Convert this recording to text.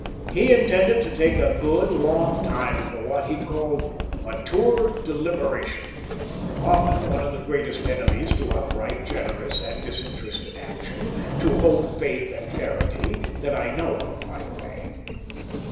He intended to take a good, long time for what he called "mature deliberation" often one of the greatest enemies to upright, generous, and disinterested action to hope, faith, and charity, that I know of, by the way.